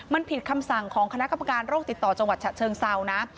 มันผิดคำสั่งของคณะกรรมการโรคติดต่อจังหวัดฉะเชิงเซานะ